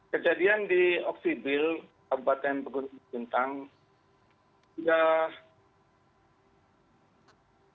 kejadian di oksibil kabupaten pegunungan bintang